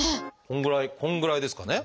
このぐらいこのぐらいですかね。